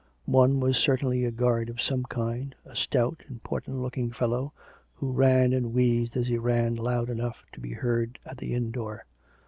One was certainly a guard of some kind, a stout, im portant looking fellow, who ran and wheezed as he ran loud enough to be heard at the inn door.